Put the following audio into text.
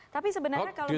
tapi sebenarnya kalau